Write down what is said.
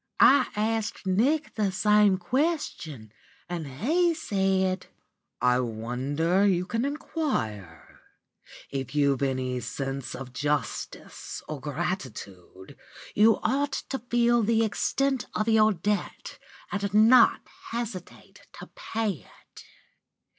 "I asked Nick the same question, and he said: "'I wonder you can inquire. If you've got any sense of justice or gratitude, you ought to feel the extent of your debt and not hesitate to pay it.